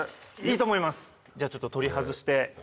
いいと思いますじゃあちょっと取り外して。